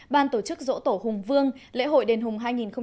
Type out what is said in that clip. ban tổ chức dỗ tổ hùng vương lễ hội đền hùng hai nghìn một mươi sáu